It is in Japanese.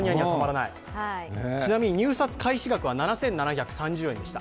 ちなみに入札開始額は７７３０円でした。